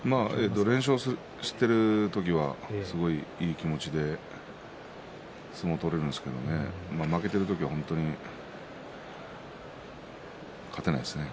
連勝している時はすごいいい気持ちで相撲を取れるんですけれどね負けている時は本当に勝てないですね。